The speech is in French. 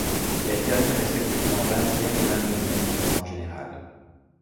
Elle termine respectivement vingtième et vingt-deuxième du classement général.